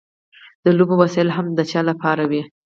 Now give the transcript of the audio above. د لوبو وسایل هم د هغه چا لپاره وي.